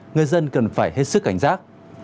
người dân cần phải hết sức cảnh giác